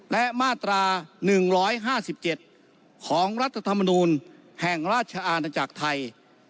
และมาตรา๑๕๗ของรัฐธรรมนูลแห่งราชอาณาจักรไทย